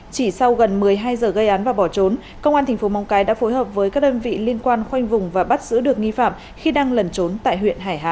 chỉ sau gần một mươi hai giờ gây án và bỏ trốn công an thành phố móng cái đã phối hợp với các đơn vị liên quan khoanh vùng và bắt giữ được nghi phạm khi đang lẩn trốn tại huyện hải hà